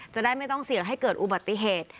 จะได้ไม่ต้องเสี่ยงให้เกิดอุบัติเหตุ